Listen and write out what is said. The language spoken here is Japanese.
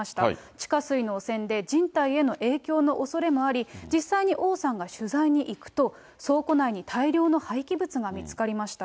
地下水の汚染で人体への影響のおそれもあり、実際に王さんが取材に行くと、倉庫内に大量の廃棄物が見つかりました。